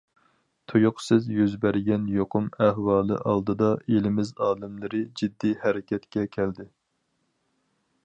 تۇيۇقسىز يۈز بەرگەن يۇقۇم ئەھۋالى ئالدىدا، ئېلىمىز ئالىملىرى جىددىي ھەرىكەتكە كەلدى.